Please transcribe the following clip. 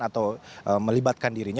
atau melibatkan dirinya